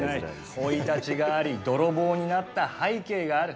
生い立ちがあり泥棒になった背景がある。